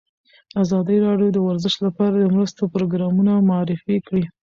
ازادي راډیو د ورزش لپاره د مرستو پروګرامونه معرفي کړي.